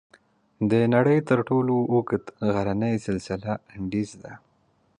د نړۍ تر ټولو اوږد غرنی سلسله "انډیز" ده.